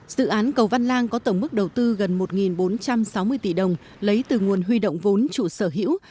dự án cầu văn lang có tổng mức đầu tư gần một bốn trăm sáu mươi tỷ đồng lấy từ nguồn huy động vốn chủ sở hữu